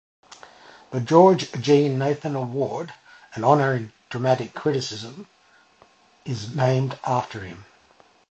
The George Jean Nathan Award, an honor in dramatic criticism, is named after him.